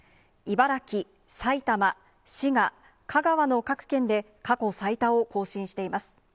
茨城、埼玉、滋賀、香川の各県で、過去最多を更新しています。